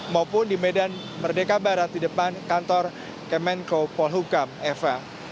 maupun di medan merdeka barat di depan kantor kemenko polhukam eva